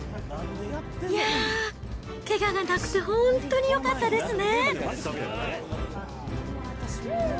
いやー、けががなくて本当によかったですね。